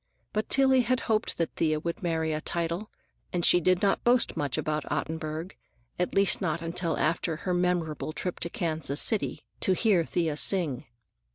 But Tillie had hoped that Thea would marry a title, and she did not boast much about Ottenburg,—at least not until after her memorable trip to Kansas City to hear Thea sing.